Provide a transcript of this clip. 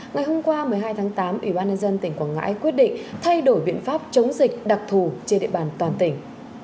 ngày hôm qua một mươi hai tháng tám ủy ban nhân dân tỉnh quảng ngãi quyết định thay đổi biện pháp chống dịch đặc thù trên địa bàn toàn tỉnh